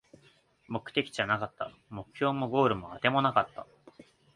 目的地はなかった、目標もゴールもあてもなかった